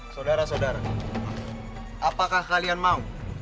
saudara saudara apakah kalian mau